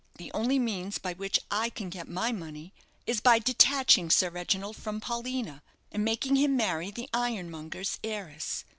The only means by which I can get my money is by detaching Sir Reginald from Paulina, and making him marry the ironmonger's heiress.